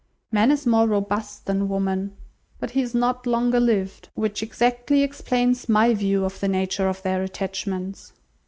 Man is more robust than woman, but he is not longer lived; which exactly explains my view of the nature of their attachments.